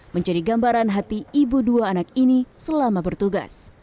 menjadi gambaran hati ibu dua anak ini selama bertugas